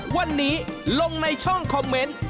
วันนี้ลงในช่องคอมเมนต์